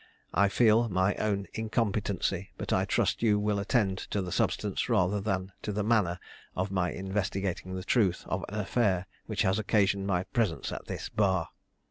I feel my own incompetency, but I trust you will attend to the substance, rather than to the manner, of my investigating the truth of an affair which has occasioned my presence at this bar.